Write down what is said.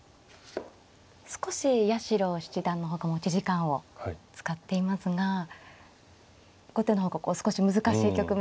少し八代七段の方が持ち時間を使っていますが後手の方が少し難しい局面に。